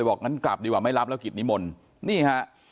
เลยบอกงั้นกลับดีกว่าไม่รับข่าวขี้นิมนต์นี่ฮะ